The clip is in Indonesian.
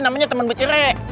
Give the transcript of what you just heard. namanya temen becerik